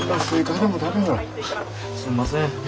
すんません。